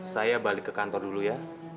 saya balik ke kantor dulu ya